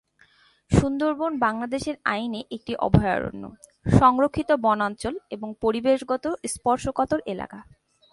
সুন্দরবন বাংলাদেশের আইনে একটি অভয়ারণ্য, সংরক্ষিত বনাঞ্চল এবং পরিবেশগত স্পর্শকাতর এলাকা।